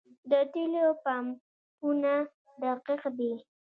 د تیلو پمپونه دقیق دي؟